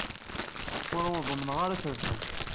Ur awen-ḍemmneɣ ad trebḥem.